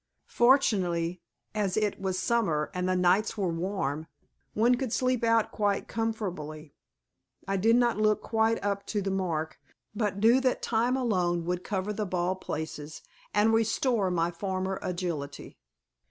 Fortunately as it was summer and the nights were warm, one could sleep out quite comfortably. I did not look quite up to the mark, but knew that time alone would cover the bald places, and restore my former agility.